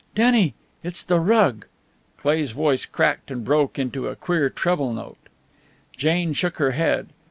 "Denny, it's the rug!" Cleigh's voice cracked and broke into a queer treble note. Jane shook her head.